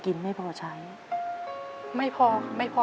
เงินไม่พอมีไหมครับไม่พอกินไม่พอใช้